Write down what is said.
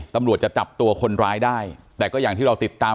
ตำรวจจะจับตัวคนร้ายได้แต่ก็อย่างที่เราติดตาม